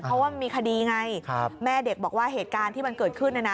เพราะว่ามันมีคดีไงแม่เด็กบอกว่าเหตุการณ์ที่มันเกิดขึ้นเนี่ยนะ